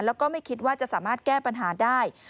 แล้วก็ไม่คิดว่าจะสามารถแก้ปัญหาได้